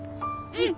うん。